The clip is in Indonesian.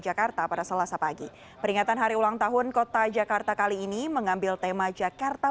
jakarta pada selasa pagi peringatan hari ulang tahun kota jakarta kali ini mengambil tema jakarta